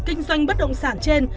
kinh doanh bất động sản trên